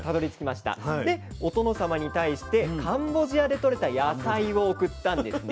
でお殿様に対してカンボジアでとれた野菜を贈ったんですね。